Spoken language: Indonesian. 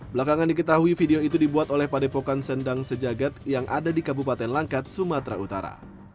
belakangan diketahui video itu dibuat oleh padepokan sendang sejagat yang ada di kabupaten langkat sumatera utara